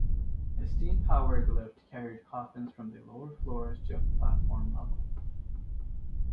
A steam-powered lift carried coffins from the lower floors to the platform level.